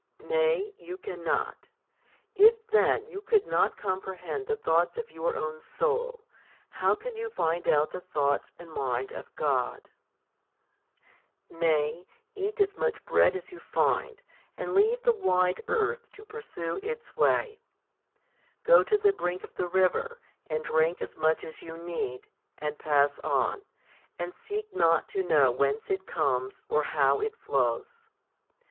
Nay, you cannot. If then you could not comprehend the thoughts of your own soul, how can you find out the thoughts and mind of God ? 12. Nay, eat as much bread as you find, and leave the wide earth to pursue its way ; go to the brink of the river, and drink as much as you need, and pass on, and seek not to know whence it comes, or how it flows.